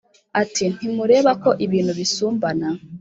ati: "Ntimureba ko ibintu bisumbana!